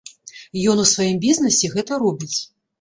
Ён у сваім бізнесе гэта робіць.